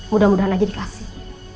mudah mudahan aja dikasih